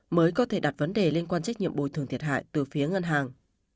mới có thể đặt vấn đề liên quan trách nhiệm bồi thường thiệt hại từ phía ngân hàng